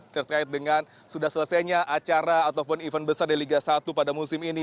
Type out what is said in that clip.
terkait dengan sudah selesainya acara ataupun event besar di liga satu pada musim ini